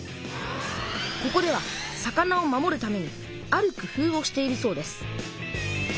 ここでは魚を守るためにあるくふうをしているそうです。